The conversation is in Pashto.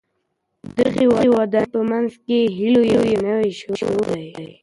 د دغي ودانۍ په مابينځ کي د هیلو یو نوی شور دی.